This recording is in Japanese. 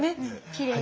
きれい。